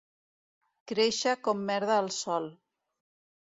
Créixer com merda al sol.